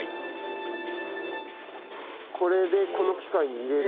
これでこの機械に入れる。